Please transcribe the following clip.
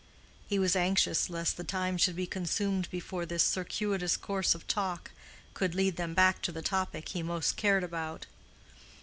He was anxious less the time should be consumed before this circuitous course of talk could lead them back to the topic he most cared about.